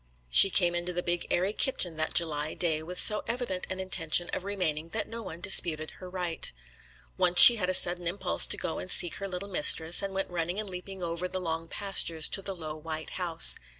She came into the big airy kitchen that July day with so evident an intention of remaining that no one disputed her right. Once she had a sudden impulse to go and seek her little mistress, and went running and leaping over the long pastures to the low white house.